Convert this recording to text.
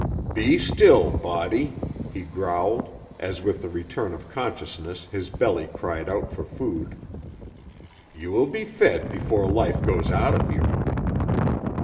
"Be still, Body," he growled, as with the return of consciousness his belly cried out for food. "You will be fed before life goes out of you."